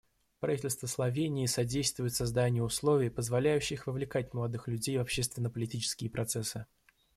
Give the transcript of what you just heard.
Правительство Словении содействует созданию условий, позволяющих вовлекать молодых людей в общественно-политические процессы.